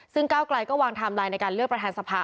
ซึ่งก้าวไกลก็วางไทม์ไลน์ในการเลือกประธานสภา